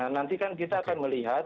nanti kan kita akan melihat